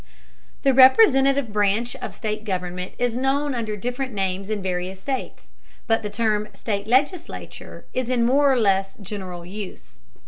The representative branch of state government is known under different names in various states, but the term "state legislature" is in more or less general use.